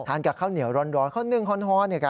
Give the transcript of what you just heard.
ทานกับข้าวเหนียวร้อนเขาเนื่องฮอล์เนี่ยกะ